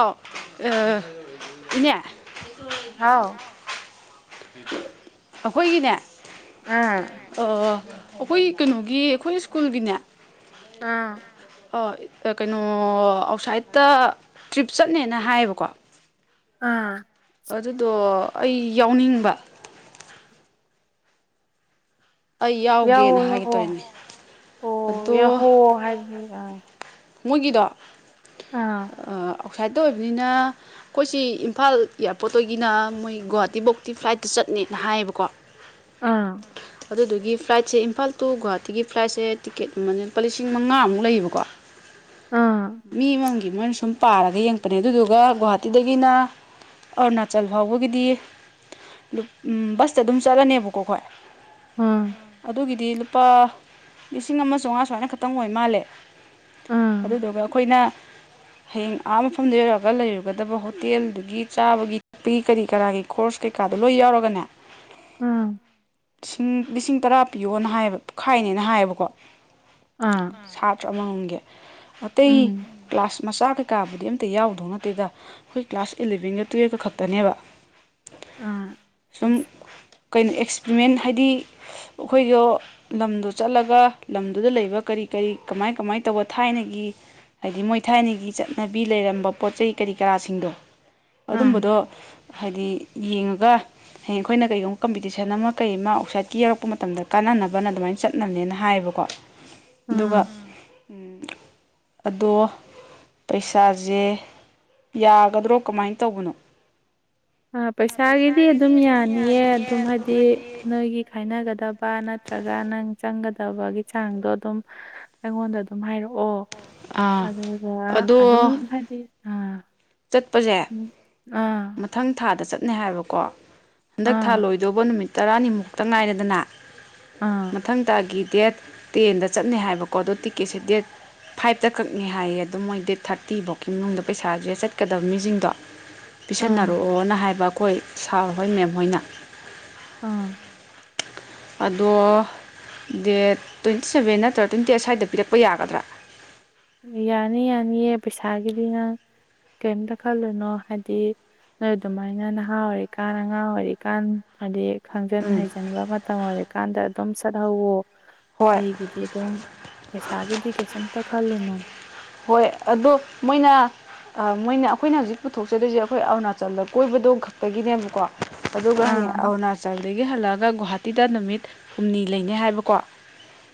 ꯑꯥꯎ ꯑ ꯏꯅꯦ ꯍꯥꯎ ꯑꯩꯈꯣꯏꯒꯤꯅꯦ ꯑꯥ ꯑ ꯑꯩꯈꯣꯏꯒꯤ ꯀꯩꯅꯣꯒꯤ ꯑꯩꯈꯣꯏ ꯁ꯭ꯀꯨꯜꯒꯤꯅꯦ ꯑ ꯑ ꯀꯩꯅꯣ ꯑꯥꯎꯁꯥꯏꯠꯇ ꯇ꯭ꯔꯤꯞ ꯆꯠꯅꯦꯅ ꯍꯥꯏꯌꯦꯕꯀꯣ ꯑꯥ ꯑꯗꯨꯗꯣ ꯑꯩ ꯌꯥꯎꯅꯤꯡꯕ ꯑꯩ ꯌꯥꯋꯣ ꯌꯥꯎꯒꯦꯅ ꯍꯥꯏꯒꯦ ꯌꯥꯋꯣ ꯇꯧꯔꯤꯅꯦ ꯑꯣ ꯑꯗꯣ ꯌꯥꯎꯍꯣꯋꯣ ꯍꯥꯏꯕꯗꯤꯕ ꯃꯣꯏꯒꯤꯗꯣ ꯑ ꯑꯥ ꯑꯥꯎꯁꯥꯏꯠꯇ ꯑꯣꯏꯕꯅꯤꯅ ꯑꯩꯈꯣꯏ ꯁꯤ ꯏꯝꯐꯥꯜ ꯏꯌꯔꯄꯣꯔꯠꯇꯒꯤꯅ ꯃꯣꯏ ꯒꯨꯍꯥꯇꯤꯕꯧꯇꯤ ꯐ꯭ꯂꯥꯏꯠꯇ ꯆꯠꯅꯦꯅ ꯍꯥꯏꯌꯦꯕꯀꯣ ꯑ ꯑꯗꯨꯗꯨꯒꯤ ꯐ꯭ꯂꯥꯏꯠꯁꯦ ꯏꯝꯐꯥꯜ ꯇꯨ ꯒꯨꯍꯥꯇꯤꯒꯤ ꯐ꯭ꯂꯥꯏꯠꯁꯦ ꯇꯤꯀꯦꯠ ꯃꯃꯟꯖꯦ ꯂꯨꯄꯥ ꯂꯤꯁꯤꯡ ꯃꯉꯥꯃꯨꯛ ꯂꯩꯌꯦꯕꯀꯣ ꯑꯥ ꯃꯤ ꯑꯃꯝꯑꯃꯝꯒꯤ ꯃꯣꯏꯅ ꯁꯨꯝ ꯄꯥꯔꯒ ꯌꯦꯡꯉꯛꯄꯅꯦ ꯑꯗꯨꯗꯨꯒ ꯒꯨꯍꯥꯇꯤꯗꯒꯤꯅꯥ ꯑꯔꯨꯅꯥꯆꯜ ꯐꯥꯎꯕꯒꯤꯗꯤ ꯂꯨꯞ ꯎꯝ ꯕꯁꯇ ꯑꯗꯨꯝ ꯆꯠꯂꯅꯦꯕꯀꯣ ꯑꯩꯈꯣꯏ ꯎꯝ ꯑꯗꯨꯒꯤꯗꯤ ꯂꯨꯄꯥ ꯂꯤꯁꯤꯡ ꯑꯃ ꯆꯥꯎꯉꯥ ꯁꯨꯃꯥꯏꯅ ꯈꯛꯇꯪ ꯑꯣꯏ ꯃꯥꯜꯂꯦ ꯑꯥ ꯑꯥ ꯑꯗꯨꯗꯨꯒ ꯑꯩꯈꯣꯏꯅ ꯍꯌꯦꯡ ꯑꯥ ꯃꯐꯝꯗ ꯌꯧꯔꯒ ꯂꯩꯔꯨꯒꯗꯕ ꯍꯣꯇꯦꯜꯗꯨꯒꯤ ꯆꯥꯕꯒꯤ ꯄꯤ ꯀꯔꯤ ꯀꯔꯥꯒꯤ ꯈꯣꯔꯁ ꯀꯩꯀꯥꯗꯣ ꯂꯣꯏ ꯌꯥꯎꯔꯒꯅꯦ ꯂꯤꯁꯤꯡ ꯂꯤꯁꯤꯡ ꯇꯔꯥ ꯄꯤꯌꯣꯅ ꯍꯥꯏꯌꯦꯕ ꯈꯥꯏꯅꯦꯅ ꯍꯥꯏꯌꯦꯕꯀꯣ ꯑꯥ ꯁꯥꯇ꯭ꯔ ꯑꯃꯝꯃꯝꯒꯤ ꯑꯇꯩ ꯎꯝ ꯀ꯭ꯂꯥꯁ ꯃꯆꯥ ꯀꯩꯀꯥꯕꯨꯗꯤ ꯑꯝꯇ ꯌꯥꯎꯗꯧ ꯅꯠꯇꯦꯗ ꯑꯩꯈꯣꯏ ꯀ꯭ꯂꯥꯁ ꯏꯜꯂꯚꯦꯟꯒ ꯇꯨꯋꯦꯐꯀ ꯈꯛꯇꯅꯦꯕ ꯑꯥ ꯁꯨꯝ ꯑꯁ ꯀꯩꯅꯣ ꯑꯦꯛꯁꯄ꯭ꯔꯤꯃꯦꯟ ꯍꯥꯏꯗꯤ ꯑꯩꯈꯣꯏꯗꯣ ꯂꯝꯗꯣ ꯆꯠꯂꯒ ꯂꯝꯗꯨꯗ ꯂꯩꯕ ꯀꯔꯤ ꯀꯔꯤ ꯀꯃꯥꯏ ꯀꯃꯥꯏ ꯇꯧꯕ ꯊꯥꯏꯅꯒꯤ ꯍꯥꯏꯗꯤ ꯃꯣꯏ ꯊꯥꯏꯅꯒꯤ ꯆꯠꯅꯕꯤ ꯂꯩꯔꯝꯕ ꯄꯣꯠ ꯆꯩ ꯀꯔꯤ ꯀꯔꯥꯁꯤꯡꯗꯣ ꯑꯥ ꯑꯗꯨꯝꯕꯗꯣ ꯍꯥꯏꯗꯤ ꯌꯦꯡꯉꯒ ꯍꯌꯦꯡ ꯑꯩꯈꯣꯏꯅ ꯀꯩꯒꯨꯝꯕ ꯀꯝꯄꯤꯇꯤꯁꯟ ꯑꯃ ꯀꯩ ꯑꯃ ꯑꯥꯎꯠꯁꯥꯏꯠꯀꯤ ꯌꯧꯔꯛꯄ ꯃꯇꯝꯗ ꯀꯥꯟꯅꯅꯕꯅ ꯑꯗꯨꯃꯥꯏꯅ ꯆꯠꯅꯕꯅꯦꯅ ꯍꯥꯏꯌꯦꯕꯀꯣ ꯑꯗꯨꯒ ꯑꯥ ꯑꯗꯣ ꯄꯩꯁꯥꯁꯦ ꯌꯥꯒꯗ꯭ꯔꯣ ꯀꯃꯥꯏꯅ ꯇꯧꯕꯅꯣ ꯑ ꯄꯩꯁꯥꯒꯤꯗꯤ ꯑꯗꯨꯝ ꯌꯥꯅꯤꯌꯦ ꯑꯗꯨꯝ ꯍꯥꯏꯗꯤ ꯅꯣꯏꯒꯤ ꯈꯥꯏꯅꯒꯗꯕ ꯅꯠꯇ꯭ꯔꯒ ꯅꯪ ꯆꯪꯒꯗꯕꯒꯤ ꯆꯥꯡꯗꯣ ꯑꯗꯨꯝ ꯑꯩꯉꯣꯟꯗ ꯑꯗꯨꯝ ꯍꯥꯏꯔꯛꯑꯣ ꯑꯥ ꯑꯗꯨꯒ ꯑꯗꯨꯝ ꯑꯗꯣ ꯍꯥꯏꯗꯤ ꯑꯥ ꯆꯠꯄꯁꯦ ꯎꯝ ꯑꯥ ꯃꯊꯪ ꯊꯥꯗ ꯆꯠꯅꯦ ꯍꯥꯏꯕꯀꯣ ꯍꯟꯗꯛ ꯊꯥ ꯑꯥ ꯂꯣꯏꯗ ꯌꯧꯕ ꯅꯨꯃꯤꯠ ꯇꯔꯥꯅꯤꯃꯨꯛꯇ ꯉꯥꯏꯔꯦꯗꯅ ꯑꯥ ꯃꯊꯡ ꯊꯥꯒꯤ ꯗꯦꯠ ꯇꯦꯟꯗ ꯆꯠꯅꯦ ꯍꯥꯏꯕꯀꯣ ꯑꯗꯣ ꯇꯤꯛꯀꯦꯠꯁꯦ ꯗꯦꯠ ꯐꯥꯏꯚꯇ ꯀꯛꯅꯤ ꯍꯥꯏꯌꯦ ꯑꯗꯣ ꯃꯣꯏ ꯗꯦꯠ ꯊꯥꯔꯇꯤꯕꯧꯀꯤ ꯃꯅꯨꯡꯗ ꯄꯩꯁꯥꯖꯦ ꯆꯠ ꯀꯗꯕ ꯃꯤꯖꯤꯡꯗꯣ ꯑꯥ ꯄꯤꯁꯟꯅꯔꯛꯑꯣꯅ ꯍꯥꯏꯕ ꯑꯩꯈꯣꯏ ꯁꯥꯔ ꯍꯣꯏ ꯃꯦꯝ ꯍꯣꯏꯅ ꯑ ꯑꯗꯣ ꯗꯦꯠ ꯇ꯭ꯋꯦꯟꯇꯤ ꯁꯕꯦꯟ ꯅꯠꯇ꯭ꯔ ꯇ꯭ꯋꯦꯟꯇꯤ ꯑꯩꯠ ꯁ꯭ꯋꯥꯏꯗ ꯄꯤꯔꯛꯄ ꯌꯥꯒꯗ꯭ꯔꯥ ꯌꯥꯅꯤ ꯌꯥꯅꯤꯌꯦ ꯄꯩꯁꯥꯒꯤꯗꯤ ꯅꯪ ꯀꯩꯝꯇ ꯈꯜꯂꯨꯅꯣ ꯍꯥꯏꯗꯤ ꯅꯣꯏ ꯑꯗꯨꯃꯥꯏꯅ ꯅꯍꯥ ꯑꯣꯏꯔꯤꯀꯥꯟ ꯑꯉꯥꯡ ꯑꯣꯏꯔꯤꯀꯥꯟ ꯍꯥꯏꯗꯤ ꯈꯪꯖꯤꯟ ꯎꯝ ꯍꯩꯖꯤꯟꯕ ꯃꯇꯝ ꯑꯣꯏꯔꯀꯥꯟꯗ ꯑꯗꯨꯝ ꯆꯠꯍꯧꯋꯣ ꯍꯣꯏ ꯑꯩꯒꯤꯗꯤ ꯑꯗꯨꯝ ꯄꯩꯁꯥꯒꯤꯗꯤ ꯀꯩꯁꯨꯝꯇ ꯈꯜꯂꯨꯅꯨ ꯍꯣꯏ ꯑꯗꯣ ꯃꯣꯏꯅ ꯃꯣꯏꯅ ꯑꯩꯈꯣꯏꯅ ꯍꯧꯖꯤꯛ ꯄꯨꯊꯣꯛꯆꯗꯣꯏꯁꯦ ꯑꯩꯈꯣꯏ ꯑꯔꯨꯅꯥꯆꯜꯗ ꯀꯣꯏꯕꯗꯣ ꯈꯛꯇꯒꯤꯅꯦꯕꯀꯣ ꯑꯗꯨꯒꯥ ꯍꯌꯦꯡ ꯑꯥ ꯑꯥꯔꯨꯅ ꯑꯗꯨꯗꯥꯒꯤ ꯍꯜꯂꯛꯑꯒ ꯒꯨꯍꯥꯇꯤꯗ ꯅꯨꯃꯤꯠ ꯍꯨꯝꯅꯤ ꯂꯩꯅꯤ ꯍꯥꯏꯕꯀꯣ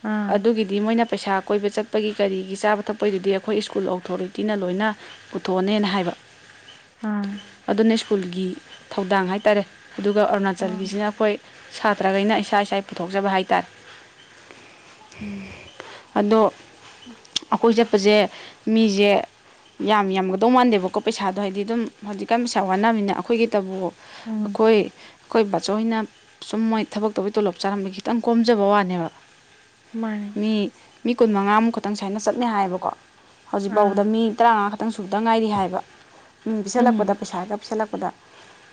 ꯑꯥ ꯑꯗꯨꯒꯤ ꯗꯤ ꯃꯣꯏꯅ ꯄꯩꯁꯥ ꯀꯣꯏꯕ ꯆꯠꯄꯒꯤ ꯀꯔꯤꯒꯤ ꯆꯥꯕ ꯊꯛꯄꯒꯤꯗꯨꯗꯤ ꯑꯩꯈꯣꯏ ꯁ꯭ꯀꯨꯜ ꯑꯣꯊꯣꯔꯤꯇꯤꯅ ꯂꯣꯏꯅ ꯄꯨꯊꯣꯛꯑꯅꯦꯅ ꯍꯥꯏꯕ ꯑꯥ ꯑꯗꯨꯅ ꯁ꯭ꯀꯨꯜꯒꯤ ꯊꯧꯗꯥꯡ ꯍꯥꯏꯇꯥꯔꯦ ꯑꯗꯨꯒ ꯑꯥ ꯑꯔꯨꯅꯥꯆꯜꯒꯤꯖꯤꯅ ꯑꯩꯈꯣꯏ ꯁꯥꯇ꯭ꯔꯥꯒꯩꯅ ꯏꯁꯥ ꯏꯁꯥꯏ ꯄꯨꯊꯣꯛꯆꯕ ꯍꯥꯏꯇꯥꯔꯦ ꯎꯝ ꯑꯗꯣ ꯑꯩꯈꯣꯏ ꯆꯠꯄꯖꯦ ꯃꯤꯖꯦ ꯌꯥꯝ ꯌꯥꯝꯒꯗꯧ ꯃꯥꯟꯗꯦꯕꯀꯣ ꯄꯩꯁꯥꯗꯣ ꯍꯥꯏꯗꯤ ꯑꯗꯨꯝ ꯍꯧꯖꯤꯛꯀꯥꯟ ꯄꯩꯁꯥ ꯋꯥꯅꯕꯅꯤꯅ ꯑꯩꯈꯣꯏꯒꯤꯇꯕꯨ ꯎꯝ ꯑꯩꯈꯣꯏ ꯑꯩꯈꯣꯏ ꯕꯥꯆꯧꯍꯣꯏꯅ ꯁꯨꯝ ꯃꯣꯏ ꯊꯕꯛ ꯇꯧꯕꯩ ꯇꯣꯂꯣꯞ ꯆꯥꯔꯝꯕꯒꯤ ꯈꯤꯇꯪ ꯀꯣꯝꯖꯕ ꯋꯥꯅꯦꯕ ꯃꯥꯅꯦ ꯃꯤ ꯃꯤ ꯀꯨꯟ ꯃꯉꯥꯃꯨꯛ ꯈꯇꯪ ꯁꯥꯏꯅ ꯆꯠꯅꯦ ꯍꯥꯏꯌꯦꯕꯀꯣ ꯍꯧꯖꯤꯛꯐꯥꯎꯕꯗ ꯑꯥ ꯃꯤ ꯇꯔꯥꯃꯉꯥ ꯈꯛꯇꯪ ꯁꯨꯕꯗ ꯉꯥꯏꯔꯤ ꯍꯥꯏꯕ ꯃꯤꯡ ꯄꯤꯁꯜꯂꯛꯄꯗ ꯎꯝ ꯄꯩꯁꯥꯒ ꯄꯤꯁꯜꯂꯛꯄꯗ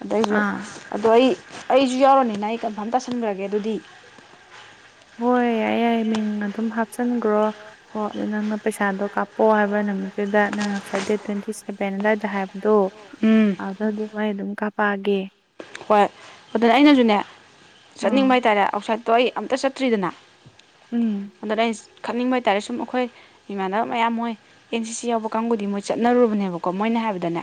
ꯑꯗꯥ ꯑꯩꯖꯨ ꯑꯥ ꯑꯗꯣ ꯑꯩ ꯑꯩꯖꯨ ꯌꯥꯎꯔꯅꯤꯅ ꯑꯩ ꯀꯟꯐꯥꯝ ꯇꯥꯁꯟꯒꯔꯥꯒꯦ ꯑꯗꯨꯗꯤ ꯍꯣꯏ ꯌꯥꯏꯌꯦ ꯌꯥꯏꯌꯦ ꯃꯤꯡ ꯑꯗꯨꯝ ꯍꯥꯞꯆꯤꯟꯒꯔꯣ ꯍꯣꯏ ꯑꯗꯨ ꯅꯪꯅ ꯄꯩꯁꯥꯗꯣ ꯀꯥꯞꯄꯛꯑꯣ ꯍꯥꯏꯕ ꯅꯨꯃꯤꯠꯇꯨꯗ ꯅꯪ ꯉꯁꯥꯏ ꯗꯦꯠ ꯇ꯭ꯋꯦꯟꯇꯤ ꯁꯚꯦꯟ ꯑꯗꯨꯋꯥꯏꯗ ꯍꯥꯏꯕ ꯑꯗꯣ ꯎꯝ ꯑꯗꯨꯗ ꯑꯗꯨꯝ ꯑꯩ ꯑꯗꯨꯝ ꯀꯥꯄꯛꯑꯒꯦ ꯍꯣꯏ ꯑꯗꯨꯅ ꯑꯩꯅꯖꯨꯅꯦ ꯑꯥ ꯆꯠꯅꯤꯡꯕ ꯍꯥꯏꯇꯥꯔꯦ ꯑꯥꯎꯠꯁꯥꯏꯠꯇꯣ ꯑꯩ ꯑꯝꯇ ꯆꯠꯇ꯭ꯔꯤꯗꯅ ꯎꯝ ꯑꯗꯨꯅ ꯑꯩꯅ ꯈꯪꯅꯤꯡꯕ ꯍꯥꯏꯇꯥꯥꯔꯦ ꯁꯨꯝ ꯑꯩꯈꯣꯏ ꯏꯃꯥꯟꯅꯕ ꯃꯌꯥꯝ ꯃꯣꯏ ꯑꯦꯟ ꯁꯤ ꯁꯤ ꯌꯥꯎꯕ ꯀꯥꯡꯒꯨꯗꯤ ꯃꯣꯏ ꯆꯠꯅꯔꯨꯕꯅꯦꯕꯀꯣ ꯃꯣꯏꯅ ꯍꯥꯏꯕꯗꯅꯦ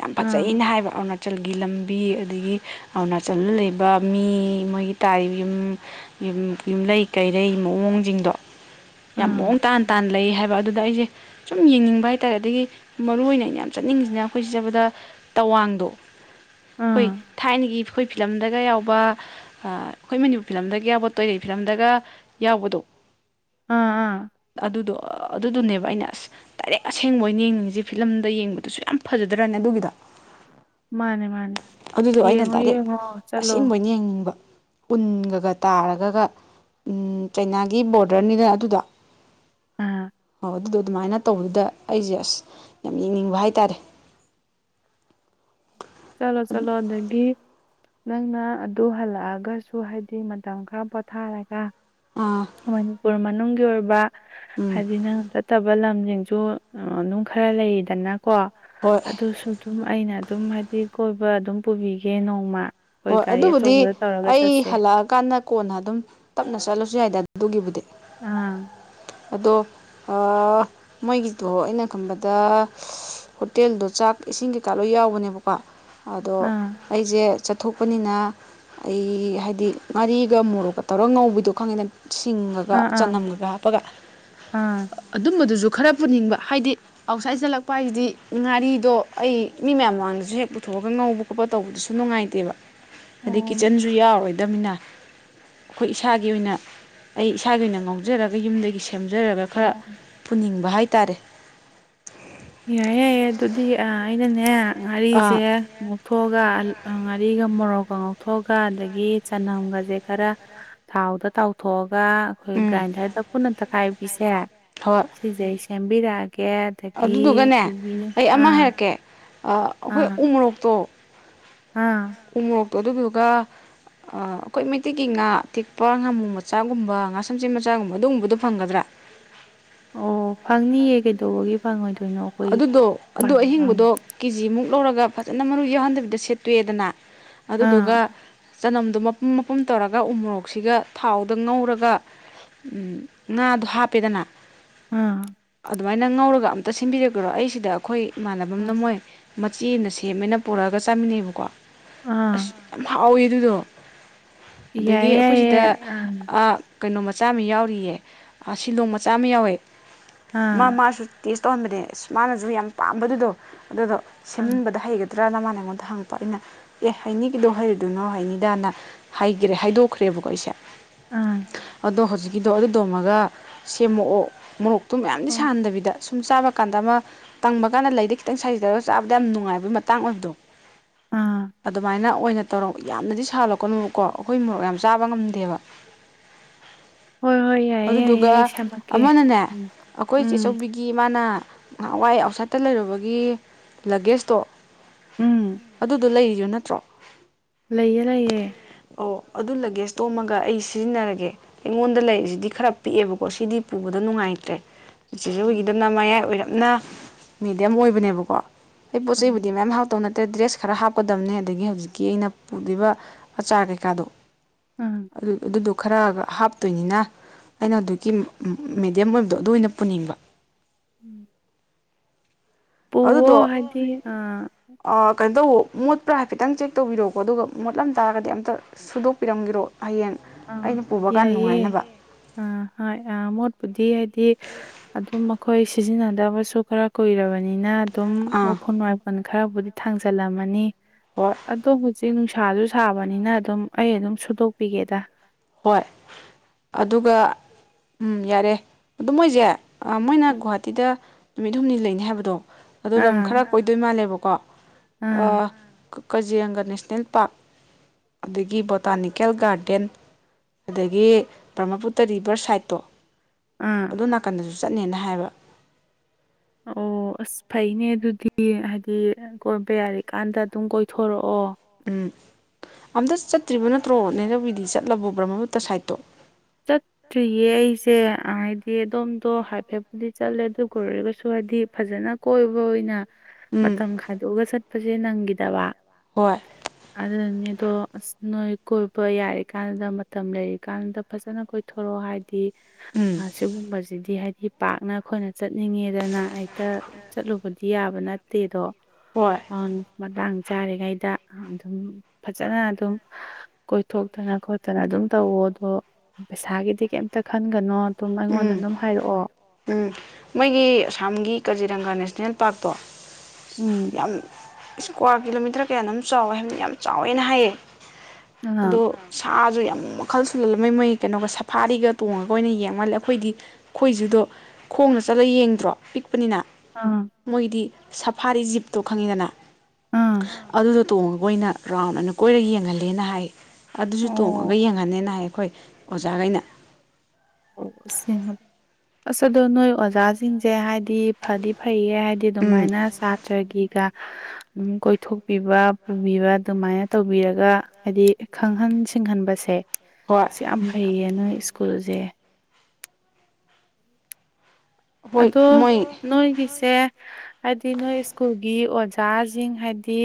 ꯌꯥꯝ ꯑꯥ ꯐꯖꯩꯅ ꯍꯥꯏꯕ ꯑꯔꯨꯅꯥꯆꯜꯒꯤ ꯂꯝ ꯄꯤ ꯑꯗꯒꯤ ꯑꯔꯨꯅꯥꯆꯜꯗ ꯂꯩꯕ ꯃꯤ ꯃꯣꯏꯒꯤ ꯇꯥꯔꯤꯕ ꯌꯨꯝ ꯌꯨꯝꯂꯩ ꯀꯩꯔꯩ ꯃꯑꯣꯡꯖꯤꯡꯗꯣ ꯌꯥꯝ ꯑꯥ ꯃꯑꯣꯡ ꯇꯥꯥꯟ ꯇꯥꯅ ꯂꯩ ꯍꯥꯏꯕ ꯑꯗꯨꯗ ꯑꯩꯖꯦ ꯁꯨꯝ ꯌꯦꯡꯅꯤꯡꯕ ꯍꯥꯏꯇꯥꯔꯦ ꯑꯗꯒꯤ ꯃꯔꯨ ꯑꯣꯏꯅ ꯑꯩꯅ ꯌꯥꯝ ꯆꯠꯅꯤꯡꯉꯤꯖꯤꯅ ꯑꯩꯈꯣꯏ ꯁꯤ ꯆꯠꯄꯗ ꯇꯋꯥꯡꯗꯣ ꯑꯩꯈꯣꯏ ꯑꯥ ꯊꯥꯏꯅꯒꯤ ꯑꯩꯈꯣꯏ ꯐꯤꯂꯝꯗꯒ ꯌꯥꯎꯕ ꯑꯥ ꯑꯩꯈꯣꯏ ꯃꯅꯤꯄꯨꯔ ꯐꯤꯂꯝꯗꯒ ꯌꯥꯎꯕ ꯇꯣꯏꯔꯩ ꯐꯤꯂꯝꯗꯒ ꯌꯥꯎꯕꯗꯣ ꯑꯥ ꯑꯥ ꯑꯗꯨꯗꯣ ꯑꯗꯨꯗꯨꯅꯦꯕ ꯑꯩꯅ ꯑꯁ ꯗꯥꯏꯔꯦꯛ ꯑꯁꯦꯡꯕ ꯑꯣꯏꯅ ꯌꯦꯡꯅꯤꯡꯉꯤꯖꯦ ꯐꯤꯂꯝꯗ ꯌꯦꯡꯕꯗꯨꯁꯨ ꯌꯥꯝ ꯐꯖꯗ꯭ꯔꯥꯅꯦ ꯑꯗꯨꯒꯤꯗꯣ ꯃꯥꯅꯦ ꯃꯥꯅꯦ ꯑꯗꯨꯗꯣ ꯑꯩꯅ ꯌꯦꯡꯉꯣ ꯗꯥꯏꯔꯦꯛ ꯌꯦꯡꯉꯣ ꯆꯠꯂꯣ ꯑꯁꯦꯡꯕ ꯑꯣꯏꯅ ꯌꯦꯡꯅꯤꯡꯕ ꯎꯟꯒꯒ ꯇꯥꯔꯒꯒ ꯎꯝ ꯆꯩꯅꯥꯒꯤ ꯕꯣꫪꯗꫪꯅꯤꯗꯅ ꯑꯗꯨꯗꯣ [unintelligible] ꯑꯣ ꯑꯗꯨꯗꯣ ꯑꯗꯨꯃꯥꯏꯅ ꯇꯧꯕꯗꯨꯗ ꯑꯩꯁꯦ ꯑꯁ ꯌꯥꯝ ꯌꯦꯡꯅꯤꯡꯕ ꯍꯥꯏꯇꯥꯔꯦ ꯆꯂꯣ ꯆꯂꯣ ꯑꯗꯒꯤ ꯅꯪꯅ ꯑꯗꯨ ꯍꯜꯂꯛꯑꯒꯁꯨ ꯍꯥꯏꯗꯤ ꯃꯇꯝ ꯈꯔ ꯄꯣꯊꯥꯔꯒ ꯑꯥ ꯃꯅꯤꯄꯨꯔ ꯃꯅꯨꯡꯒꯤ ꯑꯣꯏꯕ ꯎꯝ ꯍꯥꯏꯗꯤꯅ ꯆꯠꯇꯕ ꯂꯝꯁꯤꯡꯁꯨ ꯑꯗꯨꯝ ꯈꯔ ꯂꯩꯗꯅꯀꯣ ꯍꯣꯏ ꯑꯗꯨꯁꯨ ꯑꯗꯨꯝ ꯑꯩꯅ ꯑꯗꯨꯝ ꯍꯥꯏꯗꯤ ꯀꯣꯏꯕ ꯑꯗꯨꯝ ꯄꯨꯕꯤꯒꯦ ꯅꯣꯡꯃ ꯑꯩꯈꯣꯏ ꯍꯣꯏ ꯒꯥꯔꯤ ꯑꯗꯨꯕꯨꯗꯤ ꯑꯆꯧꯕꯗ ꯇꯧꯔꯒ ꯑꯩ ꯆꯠꯁꯦ ꯍꯜꯂꯛꯑꯀꯥꯟꯗ ꯀꯣꯟꯅ ꯑꯗꯨꯝ ꯇꯞꯅ ꯆꯠꯂꯁꯨ ꯌꯥꯏꯗꯦ ꯑꯗꯨꯒꯤꯕꯨꯗꯤ ꯑꯥ ꯑꯗꯣ ꯑꯥ ꯃꯣꯏꯒꯤꯗꯣ ꯑꯩꯅ ꯈꯟꯕꯗ ꯍꯣꯇꯦꯜꯗꯣ ꯆꯥꯛ ꯏꯁꯤꯡ ꯀꯩꯀꯥ ꯂꯣꯏ ꯌꯥꯎꯕꯅꯦꯕꯀꯣ ꯑꯗꯣ ꯑꯥ ꯑꯩꯖꯦ ꯆꯠꯊꯣꯛꯄꯅꯤꯅ ꯑꯩ ꯍꯥꯏꯗꯤ ꯉꯥꯔꯤꯒ ꯃꯣꯔꯣꯛꯀꯥ ꯇꯧꯔ ꯉꯧꯕꯗꯣ ꯈꯪꯉꯦꯗ ꯁꯤꯡꯒꯒ ꯑꯥ ꯑꯥ ꯆꯅꯝꯒꯒ ꯍꯥꯞꯄꯒ ꯑꯥ ꯑꯗꯨꯝꯕꯗꯨꯖꯨ ꯈꯔ ꯄꯨꯅꯤꯡꯕ ꯍꯥꯏꯗꯤ ꯑꯥꯎꯠꯁꯥꯏꯠ ꯆꯠꯂꯛꯄ ꯍꯥꯏꯖꯤꯗꯤ ꯉꯥꯔꯤꯗꯣ ꯑꯩ ꯃꯤ ꯃꯌꯥꯝ ꯃꯃꯥꯡꯗꯁꯨ ꯍꯦꯛ ꯄꯨꯊꯣꯛꯑꯒ ꯉꯧꯕ ꯈꯣꯠꯄ ꯇꯧꯕꯗꯨꯁꯨ ꯅꯨꯡꯉꯥꯏ ꯇꯦꯕ ꯍꯥꯏꯗꯤ ꯑꯣ ꯀꯤꯠꯆꯟꯖꯨ ꯌꯥꯎꯔꯣꯏꯗꯃꯤꯅ ꯑꯩꯈꯣꯏ ꯏꯁꯥꯒꯤ ꯑꯣꯏꯅ ꯑꯩ ꯏꯁꯥꯒꯤ ꯑꯣꯏꯅ ꯉꯥꯎꯖꯔꯒ ꯌꯨꯝꯗꯒꯤ ꯁꯦꯝꯖꯔꯒ ꯈꯔ ꯑꯣ ꯄꯨꯅꯤꯡꯕ ꯍꯥꯏꯇꯥꯔꯦ ꯌꯥꯏꯌꯦ ꯌꯥꯏꯌꯦ ꯑꯗꯨꯗꯤ ꯑꯩꯅꯅꯦ ꯉꯥꯔꯤꯁꯦ ꯑꯥ ꯉꯧꯊꯣꯛꯑꯒ ꯉꯥꯔꯤꯒ ꯃꯣꯔꯣꯛꯀ ꯉꯧꯊꯣꯛꯑꯒ ꯑꯗꯒꯤ ꯆꯅꯝꯒꯁꯦ ꯈꯔ ꯊꯥꯎꯗ ꯇꯥꯎꯊꯣꯛꯑꯒ ꯑꯩꯈꯣꯏ ꯎꯝ ꯒ꯭ꯔꯥꯏꯟꯗꫪꯗ ꯄꯨꯟꯅ ꯇꯛꯈꯥꯏꯕꯤꯁꯦ ꯍꯣꯏ ꯁꯤꯁꯦ ꯑꯩ ꯁꯦꯝꯕꯤꯔꯛꯑꯒꯦ ꯑꯗ ꯑꯗꯨꯗꯨꯒꯅꯦ ꯑꯩ ꯑꯃ ꯍꯥꯏꯔꯛꯀꯦ ꯑꯩꯈꯣꯏ ꯎ ꯃꯣꯔꯣꯛꯇꯣ ꯑ ꯎꯃꯣꯛꯇꯣ ꯑꯗꯨꯗꯨꯒ ꯑꯩꯈꯣꯏ ꯃꯩꯇꯩꯀꯤ ꯉꯥ ꯑꯇꯦꯛꯄ ꯉꯥꯃꯨ ꯃꯆꯥꯒꯨꯝꯕ ꯉꯥ ꯁꯝꯆꯦꯠ ꯃꯆꯥꯒꯨꯝꯕ ꯑꯗꯨꯒꯨꯝꯕꯗꯣ ꯐꯪꯒꯗ꯭ꯔ ꯑꯣ ꯐꯪꯅꯤꯌꯦ ꯀꯩꯗꯧꯕꯒꯤ ꯐꯪꯉꯣꯏꯗꯣꯏꯅꯣ ꯑꯩꯈꯣꯏ ꯑꯗꯨꯗꯣ ꯑꯗꯨ ꯕꯟ ꯑꯪ ꯑꯍꯤꯡꯕꯗꯣ ꯀꯦꯖꯤꯃꯨꯛ ꯂꯧꯔꯒ ꯐꯖꯅ ꯃꯔꯨ ꯌꯥꯎꯍꯟꯗꯕꯤꯗ ꯁꯦꯠꯇꯣꯛꯑꯦꯗꯅ ꯑꯗꯨꯗꯨꯒ ꯑꯥ ꯆꯅꯝꯗꯣ ꯃꯄꯨꯝ ꯃꯄꯨꯝ ꯇꯧꯔꯒ ꯎꯃꯣꯔꯣꯛꯁꯤꯒ ꯊꯥꯎꯗ ꯉꯧꯔꯒ ꯎꯝ ꯉꯥꯗꯣ ꯍꯥꯞꯄꯦꯗꯅ ꯑꯝ ꯑꯗꯨꯃꯥꯏꯅ ꯉꯧꯔꯒ ꯑꯝꯇ ꯁꯤꯟꯕꯤꯔꯛꯀꯦꯔꯣ ꯑꯩꯁꯤꯗ ꯑꯩꯈꯣꯏ ꯑꯥ ꯏꯃꯥꯟꯅꯕꯅ ꯃꯣꯏ ꯃꯆꯦꯃꯅ ꯁꯦꯝꯃꯦꯅ ꯄꯨꯔꯛꯑꯒ ꯆꯥꯃꯤꯟꯅꯩꯕꯀꯣ ꯑꯁ ꯑꯥ ꯌꯥꯝ ꯍꯥꯎꯋꯦ ꯑꯗꯨꯗꯣ ꯑꯗꯒꯤ ꯌꯥꯏꯌꯦ ꯑꯩꯈꯣꯏ ꯌꯥꯏꯌꯦ ꯁꯤꯗ ꯑꯥ ꯀꯩꯅꯣ ꯃꯆꯥ ꯑꯃ ꯌꯥꯎꯔꯤꯌꯦ ꯑ ꯁꯤꯂꯣꯡ ꯃꯆꯥ ꯑꯃ ꯌꯥꯎꯋꯦ ꯃꯥ ꯑꯥ ꯃꯥꯁꯨ ꯇꯦꯁ ꯇꯧꯍꯟꯕꯅꯦ ꯑꯁ ꯃꯥꯅꯁꯨ ꯌꯥꯝ ꯄꯥꯝꯕꯗꯨꯗꯣ ꯑꯗꯨꯗꯣ ꯑꯥ ꯁꯦꯝꯃꯟꯕꯗ ꯍꯩꯒꯗ ꯇ꯭ꯔꯥꯅ ꯃꯥꯅ ꯑꯩꯉꯣꯟꯗ ꯍꯪꯉꯛꯄ ꯑꯩꯅ ꯑꯦ ꯍꯩꯅꯤꯒꯤꯗꯣ ꯍꯩꯔꯨꯗꯣꯏꯅꯣ ꯍꯩꯅꯤꯗꯅ ꯍꯥꯏꯈꯔꯦ ꯍꯥꯏꯗꯣꯛꯈ꯭ꯔꯦꯕꯀꯣ ꯑꯩꯁꯦ ꯎꯝ ꯑꯗꯣ ꯍꯧꯖꯤꯛꯀꯤꯗꯣ ꯑꯗꯨꯗꫭꯃꯒ ꯁꯦꯝꯃꯛꯑꯣ ꯃꯣꯔꯣꯛꯇꯣ ꯃꯌꯥꯝꯗꯤ ꯑꯣ ꯁꯥꯍꯟꯗꯕꯤꯗ ꯁꯨꯝ ꯆꯥꯛꯀ ꯀꯥꯟꯗ ꯑꯃ ꯇꯪꯕ ꯀꯥꯟꯗ ꯂꯩꯗ ꯈꯤꯇꯪ ꯁꯥꯔꯤ ꯇꯧꯔꯒ ꯆꯥꯕꯗ ꯌꯥꯝ ꯅꯨꯡꯉꯥꯏꯕꯒꯤ ꯃꯇꯥꯡ ꯑꯣꯏꯕꯗꯣ ꯑꯥ [inaudible] ꯑꯗꯨꯃꯥꯏꯅ ꯑꯣꯏꯅ ꯇꯧꯔꯒ ꯌꯥꯝꯅꯗꯤ ꯁꯥꯠꯂꯛꯀꯅꯨꯕꯀꯣ ꯑꯩꯈꯣꯏ ꯃꯣꯔꯣꯛ ꯌꯥꯝ ꯆꯥꯕ ꯉꯝꯗꯦꯕ ꯍꯣꯏ ꯍꯣꯏ ꯌꯥꯏꯌꯦ ꯌꯥꯏꯌꯦ ꯑꯗꯨꯗꯨꯒ ꯑꯩ ꯁꯥꯃꯛꯀꯦ ꯑꯃꯅꯅꯦ ꯎꯝ ꯑꯩꯈꯣꯏ ꯎꯝ ꯆꯦꯆꯧꯕꯤꯒꯤ ꯒꯤ ꯃꯥꯅ ꯅꯍꯋꯥꯏ ꯑꯥꯎꯠꯁꯥꯏꯠꯇ ꯂꯩꯔꯨꯕꯒꯤ ꯂꯒꯦꯖꯇꯣ ꯎꯝ ꯑꯗꯨꯗꯣ ꯂꯩꯔꯤꯒ ꯅꯠꯇ꯭ꯔꯣ ꯂꯩꯌꯦ ꯂꯩꯌꯦ ꯑꯣ ꯑꯗꯨ ꯂꯒꯦꯖ ꯇꯣꯝꯃꯒ ꯑꯩ ꯁꯤꯖꯤꯟꯅꯔꯒꯦ ꯑꯩꯉꯣꯟꯗ ꯂꯩꯔꯤꯁꯤꯗꯤ ꯈꯔ ꯄꯤꯛꯑꯦꯕꯀꯣ ꯁꯤꯗꯤ ꯄꯨꯕꯗ ꯅꯨꯡꯉꯥꯏꯇ꯭ꯔꯦ ꯎꯝ ꯆꯤꯁꯨꯒꯤꯗꯅ ꯃꯌꯥꯏ ꯑꯣꯏꯔꯞꯅ ꯃꯦꯗꯤꯌꯝ ꯑꯣꯏꯕꯅꯦꯕꯀꯣ ꯑꯩ ꯄꯣꯠ ꯎꯝ ꯆꯩꯕꯨꯗꯤ ꯃꯌꯥꯝ ꯍꯥꯎꯇꯧꯅꯠ ꯑꯇꯩ ꯗ꯭ꯔꯦꯁ ꯈꯔ ꯍꯥꯞꯀꯗꯝꯅꯦ ꯑꯗꯒꯤ ꯍꯧꯖꯤꯛꯀꯤ ꯑꯩꯅ ꯄꯨꯔꯤꯕ ꯑꯆꯥꯔ ꯀꯩꯀꯥꯗꯣ ꯎꯝ ꯑꯗꯨꯗꯣ ꯈꯔꯒ ꯍꯥꯞꯇꯣꯏꯅꯤꯅ ꯑꯩꯅ ꯑꯗꯨꯒꯤ ꯃꯦꯗꯤꯌꯝ ꯑꯣꯏꯕꯗꯣ ꯑꯗꯨ ꯑꯣꯏꯅ ꯄꯨꯅꯤꯡꯕ ꯎꯝ ꯄꯣ ꯍꯥꯏꯗꯤ ꯑ ꯑ ꯀꯩꯅꯣ ꯇꯧꯕꯋꫭ ꯃꯣꯠꯄ꯭ꯔ ꯍꯥꯏꯐꯦꯠꯇꯪ ꯆꯦꯛ ꯇꯧꯕꯤꯔꯛꯎꯀꯣ ꯑꯗꯨꯒ ꯃꯣꯠꯂꯝ ꯇꯥꯔꯒꯗꯤ ꯑꯝꯇ ꯁꯨꯗꯣꯛꯄꯤꯔꯝꯒꯔꯣ ꯍꯌꯦꯡ ꯑꯩꯅ ꯄꯨꯕ ꯀꯥꯟ ꯅꯨꯡꯉꯥꯏꯅꯕ ꯑ ꯍꫭꯏ ꯑ ꯃꯣꯠꯄꯨꯗꯤ ꯍꯥꯏꯗꯤ ꯑꯗꯨꯝ ꯃꯈꯣꯏ ꯁꯤꯖꯤꯟꯅꯗꯕꯁꯨ ꯈꯔ ꯀꯨꯏꯔꯕꯅꯤꯅ ꯑꯗꯨꯝ ꯑꯥ ꯎꯐꯨ ꯋꯥꯄꯜ ꯈꯔꯕꯨꯗꯤ ꯊꯥꯡꯖꯜꯂꯝꯃꯅꯤ ꯑꯣ ꯑꯗꯣꯕꯨꯁꯨ ꯍꯧꯖꯤꯛ ꯅꯨꯡꯁꯥꯁꯨ ꯁꯥꯕꯅꯤꯅ ꯑꯗꯨꯝ ꯑꯩ ꯑꯗꯨꯝ ꯁꯨꯗꯣꯛꯄꯤꯒꯦꯗ ꯍꯣꯏ ꯑꯗꯨꯒ ꯎꯝ ꯌꯥꯔꯦ ꯑꯗꯣ ꯃꯣꯏꯁꯦ ꯃꯣꯏꯅ ꯒꯨꯍꯥꯇꯤꯗ ꯅꯨꯃꯤꯠ ꯍꯨꯝꯅꯤ ꯂꯩꯅꯤ ꯍꯥꯏꯕꯗꯣ ꯑꯗꯣ ꯂꯝ ꯑꯥ ꯈꯔ ꯀꯣꯏꯗꯣꯏ ꯃꯥꯜꯂꯦꯕꯀꯣ ꯑꯥ ꯀꯖꯤꯌꯥꯪꯒ ꯅꯦꯁꯅꯦꯜ ꯄꯥꯔꯛ ꯑꯗꯒꯤ ꯕꯣꯇꯥꯅꯤꯀꯦꯜ ꯒꯥꯔꯗꯦꯟ ꯑꯗꯒꯤ ꯕ꯭ꯔꯃꯄꯨꯇ ꯔꯤꯕꯔ ꯁꯥꯏꯠꯇꯣ ꯎꯝ ꯑꯗꯨꯝ ꯅꯥꯀꯟꯗꯁꯨ ꯆꯠꯅꯦꯅ ꯍꯥꯏꯕ ꯑꯣ ꯑꯁ ꯐꯩꯅꯦ ꯑꯗꯨꯗꯤ ꯍꯥꯏꯗꯤ ꯀꯣꯏꯕ ꯌꯥꯔꯤ ꯀꯥꯟꯗ ꯑꯗꯨꯝ ꯀꯣꯏꯊꯣꯔꯛꯑꯣ ꯎꯝ ꯑꯝꯇ ꯆꯠꯇ꯭ꯔꯤꯕ ꯅꯠꯇ꯭ꯔꯣ ꯅꯦꯔꯕꯤꯗꯤ ꯆꯠꯂꯕꯣ ꯕꯔꯃꯨꯕꯨꯨꯇ ꯁꯥꯏꯠꯇꯣ ꯆꯠ ꯇ꯭ꯔꯤꯌꯦ ꯑꯩꯁꯦ ꯍꯥꯏꯗꯤ ꯑꯗꯣꯝꯗꯣ ꯍꯥꯏꯐꯦꯠꯞꯄꯨꯗꯤ ꯆꯠꯂꯦ ꯑꯗꯨ ꯀꯣꯏꯔꯒꯁꯨ ꯍꯥꯏꯗꯤ ꯐꯖꯅ ꯀꯣꯏꯕ ꯑꯣꯏꯅ ꯎꯝ ꯃꯇꯝ ꯈꯥꯏꯗꯣꯛꯑꯒ ꯆꯠꯄꯁꯦ ꯅꯪꯈꯤꯗꯕ ꯍꯣꯏ ꯑꯗꯨꯗꯅꯦ ꯑꯗꯣ ꯑꯁ ꯅꯣꯏ ꯀꯣꯏꯕ ꯌꯥꯔꯤꯀꯥꯟꯗꯨꯗ ꯃꯇꯝ ꯂꯩꯔꯤꯀꯥꯟꯗ ꯐꯖꯅ ꯀꯣꯏꯊꯣꯔꯛꯑꯣ ꯍꯥꯏꯗꯤ ꯎꯝ ꯁꯤꯒꯨꯝꯕꯁꯤꯗꯤ ꯍꯥꯏꯗꯤ ꯄꯥꯛꯅ ꯑꯩꯈꯣꯏꯅ ꯆꯠꯅꯤꯡꯉꯦꯗꯅ ꯍꯦꯛꯇ ꯆꯠꯂꯨꯕꯗꯤ ꯌꯥꯕ ꯅꯠꯇꯦꯗꯣ ꯍꯣꯏ ꯎꯝ ꯃꯇꯥꯡ ꯆꯥꯔꯤꯉꯩꯗ ꯑꯗꯨꯝ ꯐꯖꯅ ꯑꯗꯨꯝ ꯀꯣꯏꯊꯣꯛꯇꯅ ꯈꯣꯠꯇꯅ ꯑꯗꯨꯝ ꯇꯧꯔꯣ ꯑꯗꯣ ꯄꯩꯁꯥꯒꯤꯗꯤ ꯀꯩꯝꯇ ꯈꯟꯒꯅꯣ ꯑꯗꯨꯝ ꯑꯩꯉꯣꯟꯗ ꯎꯝ ꯑꯗꯨꯝ ꯍꯥꯏꯔꯛꯑꯣ ꯎꯝ ꯃꯣꯏꯒꯤ ꯑꯁꯥꯝꯒꯤ ꯀꯖꯤꯔꯪꯒꯥ ꯅꯦꯁꯅꯦꯜ ꯄꯥꯔꯛꯇꯣ ꯎꯝ ꯌꯥꯝ ꯏꯁꯀ꯭ꯋꯥꯔ ꯀꯤꯂꯣꯃꯤꯇꯔ ꯀꯌꯥꯅꯣꯝ ꯆꯥꯎꯋꯦ ꯍꯥꯏꯕꯅꯤ ꯌꯥꯝ ꯆꯥꯎꯋꯦꯅ ꯍꯥꯏꯌꯦ ꯑꯗꯣ ꯑꯥ ꯁꯥꯁꯨ ꯌꯥꯝ ꯃꯈꯜ ꯁꯨꯅ ꯂꯩꯗꯅꯀꯣ ꯁꯐꯥꯔꯤꯒ ꯇꯣꯡꯉꯒ ꯑꯣꯏꯅ ꯌꯦꯡꯉ ꯉꯥꯏꯜꯂꯦ ꯑꯩꯈꯣꯏꯗꯤ ꯈꯣꯏꯖꯨꯗꯣ ꯈꯣꯡꯅ ꯆꯠꯂꯒ ꯌꯦꯡꯗ꯭ꯔꯣ ꯄꯤꯛꯄꯅꯤꯅ ꯑꯥ ꯃꯣꯏꯗꯤ ꯁꯐꯥꯔꯤ ꯖꯤꯞꯇꯣ ꯈꯪꯉꯤꯗꯅ ꯑꯥ ꯑꯗꯨ ꯇꯣꯡꯉꯒ ꯑꯣꯏꯅ ꯔꯥꯎꯟ ꯑꯣꯏꯅ ꯀꯣꯏꯔ ꯌꯦꯡꯍꯜꯂꯦꯅ ꯍꯥꯏ ꯑꯗꯨꯁꯨ ꯇꯣꯡꯉꯒ ꯑꯣ ꯌꯦꯡꯍꯟꯅꯦꯅ ꯍꯥꯏ ꯑꯩꯈꯣꯏ ꯑꯣꯖꯥꯒꯩꯅ ꯑꯣꯡ ꯑꯁ ꯑꯗꯣ ꯅꯣꯏ ꯑꯣꯖꯥꯁꯤꯡꯁꯦ ꯍꯥꯏꯗꯤ ꯐꯗꯤ ꯐꯩꯌꯦ ꯍꯥꯏꯗꯤ ꯎꯝ ꯑꯗꯨꯃꯥꯏꯅ ꯁꯥꯥꯇ꯭ꯔꯒꯤꯒ ꯑꯗꯨꯝ ꯀꯣꯏꯊꯣꯛꯄꯤꯕ ꯄꯨꯕꯤꯕ ꯑꯗꯨꯃꯥꯏꯅ ꯇꯧꯕꯤꯔꯒ ꯍꯥꯏꯗꯤ ꯈꯪꯍꯟ ꯁꯤꯡꯍꯟꯕꯁꯦ ꯍꯣꯏ ꯁꯤ ꯌꯥꯝ ꯐꯩꯌꯦ ꯅꯣꯏ ꯁ꯭ꯀꯨꯜꯁꯦ ꯍꯣꯏ ꯑꯗꯣ ꯃꯣꯏ ꯅꯣꯏꯒꯤꯁꯦ ꯍꯥꯏꯗꯤ ꯅꯣꯏ ꯁ꯭ꯀꯨꯜꯒꯤ ꯑꯣꯖꯥꯁꯤꯡ ꯍꯥꯏꯗꯤ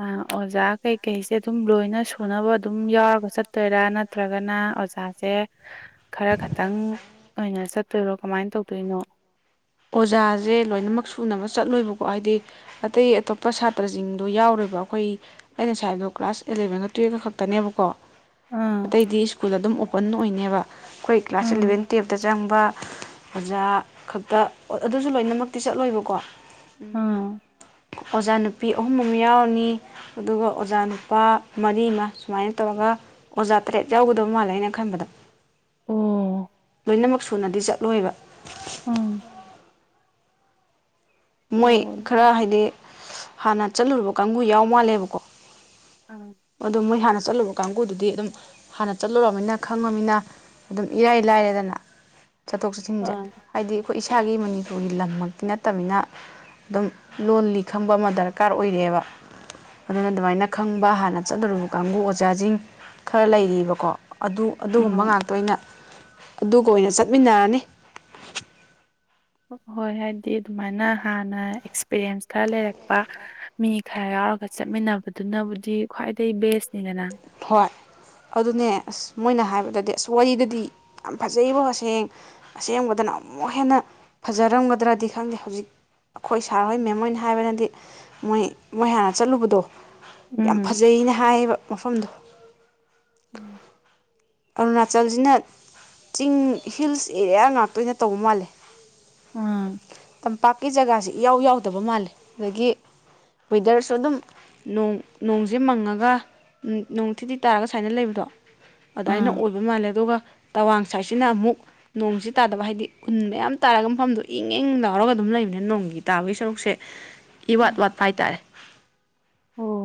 ꯑ ꯑꯣꯖꯥ ꯀꯩꯀꯩꯁꯦ ꯑꯗꯨꯝ ꯂꯣꯏꯅ ꯁꯨꯅꯕ ꯑꯗꯨꯝ ꯌꯥꯎꯔꯒ ꯆꯠꯇꯣꯏꯔꯥ ꯅꯠꯇ꯭ꯔꯒꯅ ꯑꯣꯖꯥꯁꯦ ꯎꯝ ꯈꯔ ꯈꯇꯪ ꯑꯣꯏꯅ ꯆꯠꯇꯣꯏꯔꯣ ꯀꯃꯥꯏꯅ ꯇꯧꯗꯣꯏꯅꯣ ꯑꯣꯖꯥꯁꯦ ꯂꯣꯏꯅꯃꯛ ꯁꯨꯅꯕ ꯆꯠꯂꯣꯏꯕꯀꯣ ꯍꯥꯏꯗꯤ ꯑꯇꯩ ꯑꯇꯣꯞꯄ ꯁꯥꯇ꯭ꯔꯁꯤꯡꯗꯣ ꯌꯥꯎꯔꯤꯕ ꯑꯩꯈꯣꯏ ꯑꯩ ꯉꯁꯥꯏ ꯍꯥꯏꯕꯗꯣ ꯀ꯭ꯂꯥꯁ ꯑꯦꯂꯚꯦꯟꯒ ꯇꯨꯋꯦꯜꯞꯀ ꯈꯛꯇꯅꯦꯕꯀꯣ ꯑꯥ ꯑꯇꯩꯗꯤ ꯁ꯭ꯀꯨꯜ ꯑꯗꯨꯝ ꯑꯣꯄꯟ ꯑꯣꯏꯅꯅꯦꯕ ꯑꯩꯈꯣꯏ ꯀ꯭ꯂꯥꯁ ꯑꯥ ꯑꯦꯂꯚꯦꯟ ꯇꯨꯌꯦꯜꯞꯇ ꯆꯪꯕ ꯑꯣꯖꯥ ꯈꯛꯇ ꯑꯗꯨꯁꯨ ꯂꯣꯏꯅꯃꯛꯇꯤ ꯆꯠꯂꯣꯏꯕꯀꯣ ꯑꯥ ꯑꯣꯖꯥ ꯅꯨꯨꯄꯤ ꯑꯍꯨꯝ ꯑꯃꯝ ꯌꯥꯎꯔꯅꯤ ꯑꯗꯨꯒ ꯑꯣꯖꯥ ꯅꯨꯄꯥ ꯃꯔꯤ ꯑꯃ ꯁꯨꯃꯥꯏꯅ ꯇꯧꯔꯒ ꯑꯣꯖꯥ ꯇꯔꯦꯠ ꯌꯥꯎꯒꯗꯕ ꯃꯥꯜꯂꯦ ꯑꯩꯅ ꯈꯟꯕꯗ ꯎꯝ ꯂꯣꯏꯅꯃꯛ ꯁꯨꯅꯗꯤ ꯆꯠꯂꯣꯏꯕ ꯎꯝ ꯃꯣꯏ ꯑꯣ ꯈꯔ ꯑꯗꯨꯝ ꯍꯥꯏꯗꯤ ꯍꯥꯟꯅ ꯆꯠꯂꯨꯔꯕ ꯀꯥꯡꯕꯨ ꯌꯥꯎ ꯃꯥꯜꯂꯦꯕꯀꯣ ꯑꯝ ꯑ ꯃꯣꯏ ꯍꯥꯟꯅ ꯆꯠꯂꯨꯕ ꯀꯥꯡꯕꯨꯗꯨꯗꯤ ꯑꯗꯨꯝ ꯍꯥꯟꯅ ꯆꯠꯂꯨꯅꯤꯅ ꯈꯪꯉꯃꯤꯅ ꯑꯗꯨꯝ ꯏꯔꯥꯏ ꯂꯥꯏꯔꯦꯗꯅ ꯆꯠꯊꯣꯛ ꯆꯠꯁꯤꯟꯁꯦ ꯑꯥ ꯍꯥꯏꯗꯤ ꯑꯩꯈꯣꯏ ꯏꯁꯥꯒꯤ ꯃꯅꯤꯄꯨꯔꯒꯤ ꯂꯝꯃꯛꯇꯤ ꯅꯠꯇꯅꯤꯅ ꯑꯗꯨꯝ ꯂꯣꯜꯂꯤ ꯈꯪꯕ ꯑꯃ ꯗꯔꯀꯥꯔ ꯑꯣꯏꯔꯛꯑꯦꯕ ꯑꯗꯨꯅ ꯑꯗꯨꯃꯥꯏꯅ ꯈꯪꯕ ꯍꯥꯟꯅ ꯆꯠꯇꯔꯕ ꯀꯥꯡꯕꯨ ꯑꯣꯖꯥꯁꯤꯡ ꯈꯔ ꯂꯩꯔꯤꯕꯀꯣ ꯑꯗꯨ ꯑꯗꯨꯒꯨꯝꯕ ꯎꯝ ꯉꯥꯛꯇ ꯑꯣꯏꯅ ꯑꯗꯨꯒ ꯑꯣꯏꯅ ꯆꯠꯃꯤꯟꯅꯔꯅꯤ ꯍꯣꯏ ꯍꯥꯏꯗꯤ ꯑꯗꯨꯃꯥꯏꯅ ꯍꯥꯟꯅ ꯑꯦꯛꯁꯄꯤꯔꯤꯟꯁ ꯈꯔ ꯂꯩꯔꯛꯄ ꯃꯤ ꯈꯔ ꯌꯥꯎꯔꯒ ꯆꯠꯃꯤꯟꯅꯕꯗꯨꯅꯕꯨꯗꯤ ꯈ꯭ꯋꯥꯏꯗꯩ ꯕꯦꯁꯅꯤꯗ ꯅꯪ ꯍꯣꯏ ꯑꯗꯨꯅꯦ ꯑꯁ ꯃꯣꯏꯅ ꯍꯥꯏꯕꯗꯗꯤ ꯑꯁ ꯋꯥꯔꯤꯗꯗꯤ ꯌꯥꯝ ꯐꯖꯩꯕ ꯍꯁꯦꯡ ꯑꯁꯦꯡꯕꯗꯅ ꯑꯃꯨꯛ ꯍꯦꯟꯅ ꯐꯖꯔꯝꯒꯗ꯭ꯔꯗꯤ ꯈꯪꯗꯦ ꯍꯧꯖꯤꯛ ꯑꯩꯈꯣꯏ ꯁꯥꯔ ꯍꯣꯏ ꯃꯦꯝ ꯍꯣꯏꯅ ꯍꯥꯏꯕꯅꯗꯤ ꯃꯣꯏ ꯃꯣꯏ ꯍꯥꯟꯅ ꯆꯠꯂꯨꯕꯗꯣ ꯌꯥꯝ ꯎꯝ ꯐꯖꯩꯅ ꯍꯥꯏꯌꯦꯕ ꯃꯐꯝꯗꯣ [inaudible] ꯑꯔꯨꯅꯥꯆꯜꯁꯤꯅ ꯆꯤꯡ ꯍꯤꯜꯁ ꯑꯦꯔꯤꯌꯥ ꯉꯥꯛꯇꯣꯏ ꯑꯣꯏꯅ ꯇꯧꯕ ꯃꯥꯜꯂꯦ ꯎꯝ ꯑꯥ ꯇꯝꯄꯥꯛꯀꯤ ꯖꯒꯥꯁꯤ ꯏꯌꯥꯎ ꯌꯥꯎꯗꯕ ꯃꯥꯜꯂꯦ ꯑꯗꯒꯤ ꯋꯤꯗꯔꯁꯨ ꯑꯗꯨꯝ ꯅꯣꯡ ꯅꯣꯡꯁꯦ ꯃꯪꯉꯒ ꯅꯣꯡ ꯊꯤꯗꯤ ꯇꯥꯔꯒ ꯁꯨꯃꯥꯏꯅ ꯂꯩꯕꯗꯣ ꯑꯗꯨꯃꯥꯏꯅ ꯑꯥ ꯑꯣꯏꯕ ꯃꯥꯜꯂꯦ ꯑꯗꯨꯒ ꯇꯋꯥꯡ ꯁꯥꯏꯠꯁꯤꯅ ꯑꯃꯨꯛ ꯅꯣꯡꯁꯤꯦ ꯇꯥꯗꯕ ꯍꯥꯏꯗꯤ ꯎꯟ ꯃꯌꯥꯝ ꯇꯥꯔꯒ ꯃꯐꯝꯗꯣ ꯏꯪ ꯏꯪ ꯂꯥꯎꯔꯒ ꯑꯗꯨꯝ ꯂꯩꯕꯅꯤꯅ ꯅꯣꯡꯒꯤ ꯇꯥꯕꯒꯤ ꯁꯔꯨꯛꯁꯦ ꯏꯋꯥꯠ ꯎꯝ ꯋꯥꯠꯄ ꯍꯥꯏꯇꯥꯔꯦ ꯑꯣ